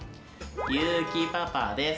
ゆうきパパです。